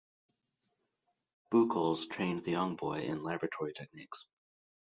Bucholz trained the young boy in laboratory techniques.